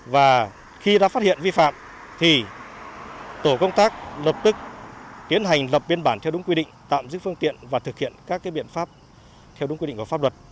và khi đã phát hiện vi phạm thì tổ công tác lập tức tiến hành lập biên bản theo đúng quy định tạm giữ phương tiện và thực hiện các biện pháp theo đúng quy định của pháp luật